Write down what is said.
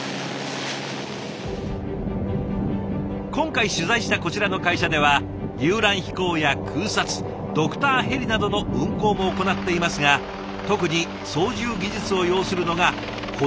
今回取材したこちらの会社では遊覧飛行や空撮ドクターヘリなどの運航も行っていますが特に操縦技術を要するのがこの物資輸送。